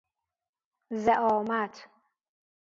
زعامت